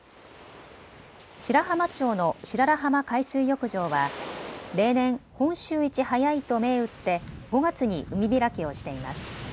白浜町の白良浜海水浴場は例年、本州一早いと銘打って５月に海開きをしています。